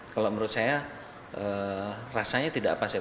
kalau menurut saya rasanya tidak pas ya